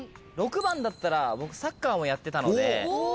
６番だったら僕サッカーやってたので。